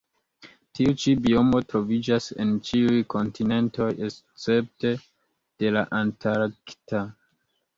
Tiu ĉi biomo troviĝas en ĉiuj kontinentoj escepte de la antarkta.